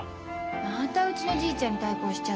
またうちのじいちゃんに対抗しちゃって。